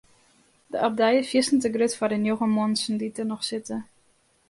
De abdij is fierstente grut foar de njoggen muontsen dy't der noch sitte.